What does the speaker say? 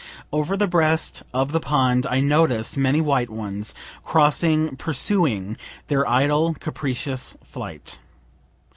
Over the breast of the pond I notice many white ones, crossing, pursuing their idle capricious flight.